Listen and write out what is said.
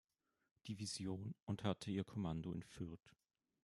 Division und hatte ihr Kommando in Fürth.